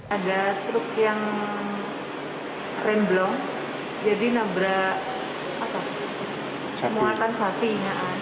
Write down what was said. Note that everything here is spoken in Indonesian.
ada truk yang remblong jadi nabrak muatan sapi